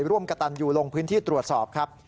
ร่วมกระตันอยู่ลงพื้นที่ตรวจสอบครับ